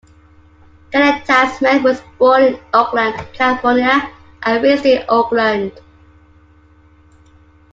Kellita Smith was born in Oakland, California and raised in Oakland.